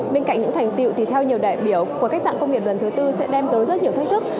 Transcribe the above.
bên cạnh những thành tiệu thì theo nhiều đại biểu cuộc cách mạng công nghiệp lần thứ tư sẽ đem tới rất nhiều thách thức